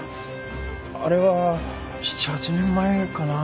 あれは７８年前かな？